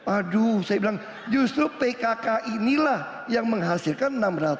aduh saya bilang justru pkk inilah yang menghasilkan enam ratus